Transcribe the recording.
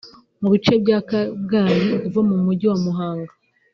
mu bice bya Kabgayi uva mu mujyi wa Muhanga